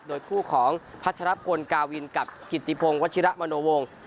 โดยคู่ของพัชรพลกาวินกับกิติพงศ์วัชิระมโนวง